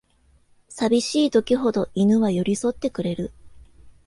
さびしい時ほど犬は寄りそってくれる